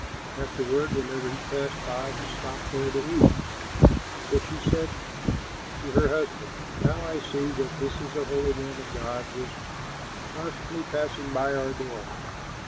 Afterward, whenever he passed by, he stopped there to eat. So she said to her husband, "Now I see that this is a holy man of God who is constantly passing by our door.